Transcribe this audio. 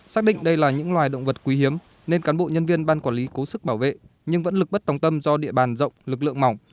xác định đây là những loài động vật quý hiếm nên cán bộ nhân viên ban quản lý cố sức bảo vệ nhưng vẫn lực bất tòng tâm do địa bàn rộng lực lượng mỏng